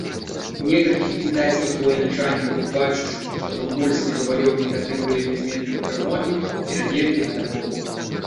Некалькі кітайскіх военачальнікаў, бачачы, што мангольскі заваёўнік атрымлівае нязменныя перамогі, перабеглі на яго бок.